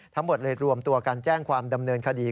ทั้งหมดเลยรวมตัวกันแจ้งความดำเนินคดี